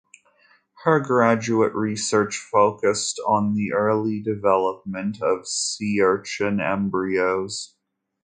Her graduate research focused on the early development of sea urchin embryos.